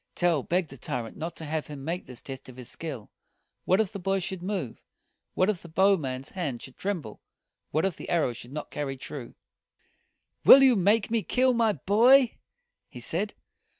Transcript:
Tell begged the tyrant not to have him make this test of his skill. What if the boy should move? What if the bow man's hand should tremble? What if the arrow should not carry true? "Will you make me kill my boy?" he said.